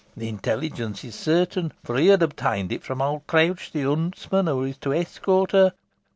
The intelligence is certain, for he had obtained it from Old Crouch, the huntsman, who is to escort her.